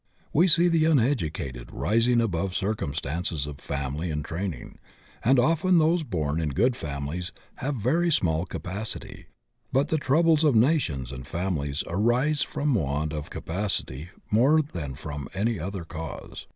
We see the uneducated rising above circmn stances of family and training, and often those bom in good families have very small capacity; but the troubles of nations and families arise from want of capacity more than from any other cause.